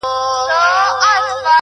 غواړم چي ديدن د ښكلو وكړمـــه”